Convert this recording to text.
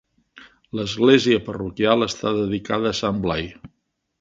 L'església parroquial està dedicada a Sant Blai.